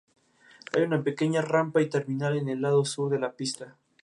Hay una pequeña rampa y terminal en el lado sur de la pista.